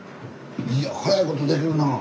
いや早いことできるなあ。